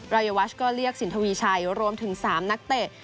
วัยวัชก็เรียกสินทวีชัยรวมถึง๓นักเตะ